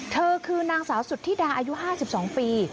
เธอคือนางสาวสุธิดาอายุ๕๒ปี